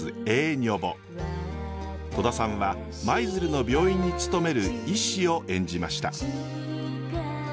戸田さんは舞鶴の病院に勤める医師を演じました。